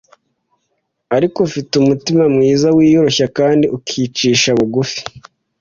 ariko, u fi te umutima mwiza, wiyoroshya kandi akicisha bugu fi